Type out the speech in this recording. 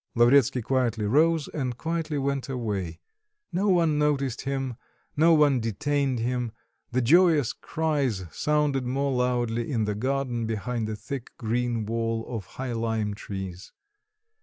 '" Lavretsky quietly rose and quietly went away; no one noticed him, no one detained him; the joyous cries sounded more loudly in the garden behind the thick green wall of high lime trees.